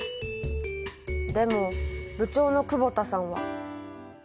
でも部長の久保田さんは。